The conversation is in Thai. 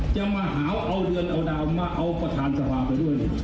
จะมาหาเอาเรือนเอาดาวมาเอาประธานสภาไปด้วย